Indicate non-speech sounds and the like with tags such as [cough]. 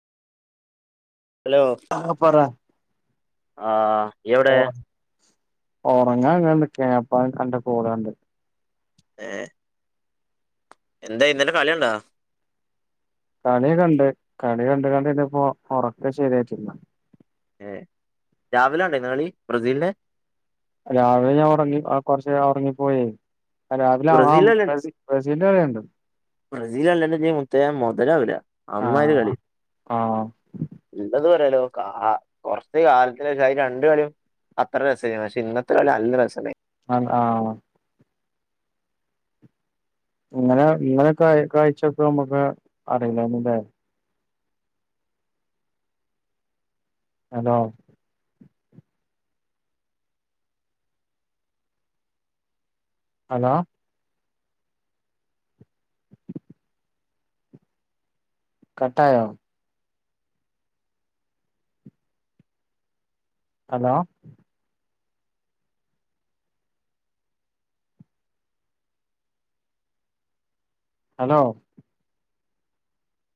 Hello ആ പറ ആഹ് എവിടെ ഉറങ്ങാ അങ്ങണ്ട് ക്കിയപ്പോ അന്റെ കോള് കണ്ട് ഏ എന്തായി ഇന്നലെ കളികണ്ടാ കളി കണ്ട് കളി കണ്ട് കണ്ട് ഇരുന്നപ്പോ ഉറക്ക ശരിയായിട്ടില്ല രാവിലെണ്ടോ ഇന്ന് കളി ബ്രസീലിന്റെ രാവിലെ ഞാൻ ഉറങ്ങി ആ കുറച്ച് നേരം ഉറങ്ങിപ്പോയെ രാവിലെ ആ [unintelligible] ജല്ല [unintelligible] കളി ഉണ്ട് ബ്രസീൽ അല്ലന്നു ഇനി മുത്തേ മുതലാവില്ല അമ്മാരി ആഹ് കളി ആഹ് [unintelligible] ലോക്കാ ആ കൊറച്ച് കാലത്തിന് ശേഷം അയ് രണ്ട് കളിയും അത്ര രസയിരുന്നു പക്ഷെ ഇന്നത്തെ കളി നല്ല രസ ഇണ്ടായിന്ന്‌ ആഹ ഇങ്ങനെ ഇങ്ങനോക്കെ കാഴ്ച്ചപ്പോ നമ്മുക്ക് അറിയില്ലായിരുന്നു അല്ലെ ഹലോ ഹലോ കട്ടായോ? Hello hello